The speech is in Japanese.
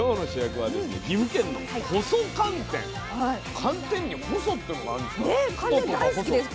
寒天に「細」ってのがあるんですか？